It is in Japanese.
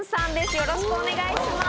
よろしくお願いします。